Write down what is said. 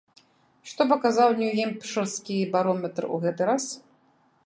Што паказаў нью-гемпшырскі барометр ў гэты раз?